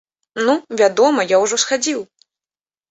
Ну, вядома, я ўжо схадзіў.